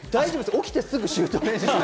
起きてすぐシュート練習。